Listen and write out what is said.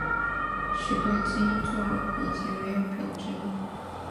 许多基因座以前没有表征。